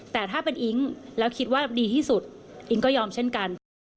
แต่ถ้าเป็นอิ๊งแล้วคิดว่าดีที่สุดอิ๊งก็ยอมเช่นกัน